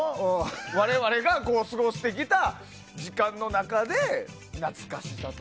我々が過ごしてきた時間の中で懐かしさと。